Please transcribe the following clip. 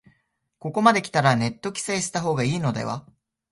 ここまできたらネット規制した方がいいのでは